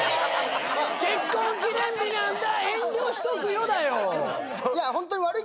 「結婚記念日なんだ」